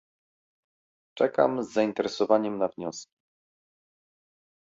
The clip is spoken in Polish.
Czekam z zainteresowaniem na wioski